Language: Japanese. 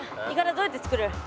どうやって作る？